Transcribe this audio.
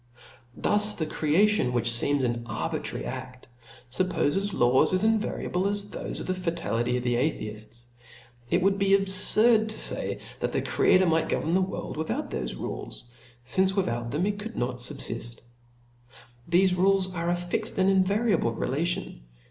Thus the creation, which feems an arbitrary a6t, fuppofeth laws as invariable as thofe of ftie fatality of the Atheifts. It would be abfurd to fay, that the Creator might govern the world without thofe rules, fince without them it could not fubfift. Thefe rules are a fixt and invariable relation.